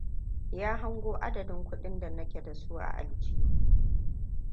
Ya hango adadin kudin da nake dasu a aljihu.